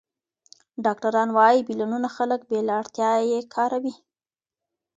ډاکټران وايي، میلیونونه خلک بې له اړتیا یې کاروي.